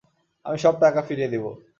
আমি সব টাকা ফিরিয়ে দেব।